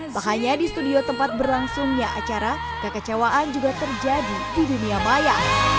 tak hanya di studio tempat berlangsungnya acara kekecewaan juga terjadi di dunia maya